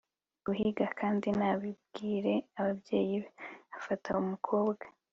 guhiga kandi ntabibwire ababyeyi be. afata umukobwa